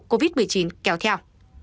covid một mươi chín kéo theo